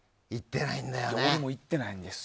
俺も行ってないんです。